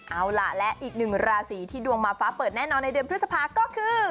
เอาล่ะและอีกหนึ่งราศีที่ดวงมาฟ้าเปิดแน่นอนในเดือนพฤษภาก็คือ